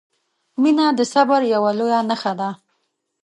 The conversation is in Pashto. • مینه د صبر یوه لویه نښه ده.